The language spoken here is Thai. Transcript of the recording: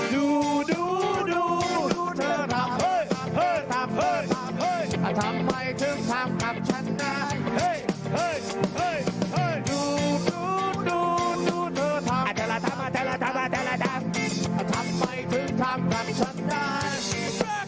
ถึงทำทำฉันได้